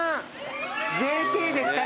ＪＫですか？